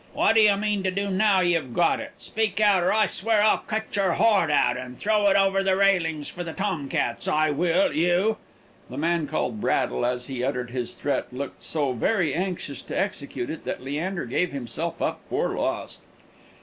What do you mean to do now you've got it? Speak out, or I swear I'll cut your heart out, and throw it over the railings for the tom cats; I will, you !" The man called Braddle, as he uttered this threat, looked so very anxious to execute it, that Leander gave himself up for lost.